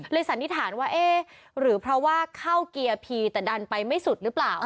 สันนิษฐานว่าเอ๊ะหรือเพราะว่าเข้าเกียร์พีแต่ดันไปไม่สุดหรือเปล่า